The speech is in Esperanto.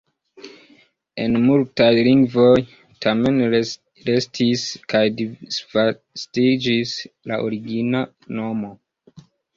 En multaj lingvoj tamen restis kaj disvastiĝis la origina nomo.